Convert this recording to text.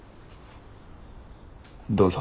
どうぞ。